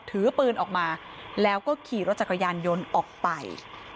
ถือปืนออกมาแล้วก็ขี่รถจักรยานยนต์ออกไป